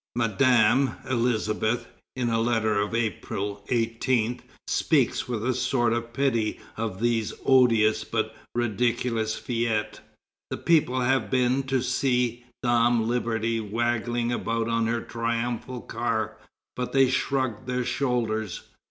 Madame Elisabeth, in a letter of April 18, speaks with a sort of pity of this odious but ridiculous fête: "The people have been to see Dame Liberty waggling about on her triumphal car, but they shrugged their shoulders.